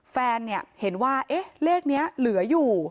แฟนเห็นว่าเอ๊ะเลขนี้เหลืออยู่